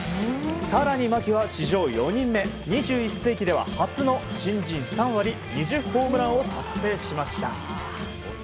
更に牧は史上４人目２１世紀では初の新人３割２０ホームランを達成しました。